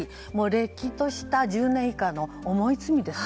れっきとした１０年以下の重い罪です。